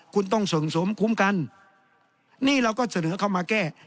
คุณต้องส่งสมคุ้มกันนี่เราก็เสนอเข้ามาแก้